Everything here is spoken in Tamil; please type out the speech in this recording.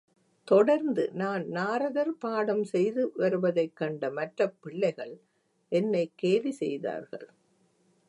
தொடர்ந்து நான் நாரதர் பாடம் செய்து வருவதைக் கண்ட மற்றப் பிள்ளைகள் என்னைக் கேலி செய்தார்கள்.